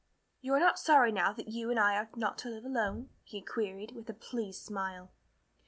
"You are not sorry now that you and I are not to live alone?" he queried, with a pleased smile.